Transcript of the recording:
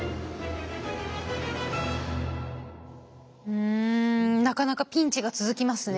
うんなかなかピンチが続きますね。